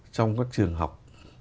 trong các trường học